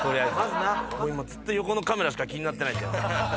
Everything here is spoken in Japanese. もう今ずっと横のカメラしか気になってないんだよ。